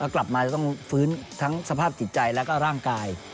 กลับมาจะต้องฟื้นทั้งสภาพจิตใจแล้วก็ร่างกาย